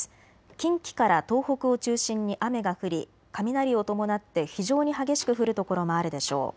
近畿から東北を中心に雨が降り雷を伴って非常に激しく降る所もあるでしょう。